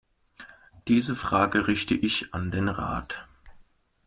Diese Frage richte ich an den Rat.